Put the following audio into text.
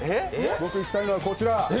僕が行きたいのはこちら！